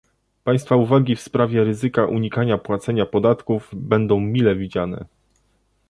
Państwa uwagi w sprawie ryzyka unikania płacenia podatków będą mile widziane